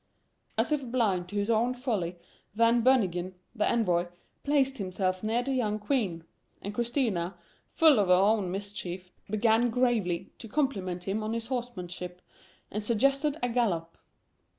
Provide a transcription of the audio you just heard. As if blind to his own folly, Van Beunigen, the envoy, placed himself near to the young Queen; and Christina, full of her own mischief, began gravely to compliment him on his horsemanship, and suggested a gallop.